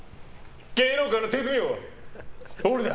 芸能界の手積み王は俺だ！